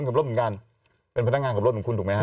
กับรถเหมือนกันเป็นพนักงานกับรถของคุณถูกไหมฮ